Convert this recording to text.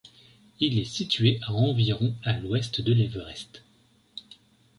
Il est situé à environ à l'ouest de l'Everest.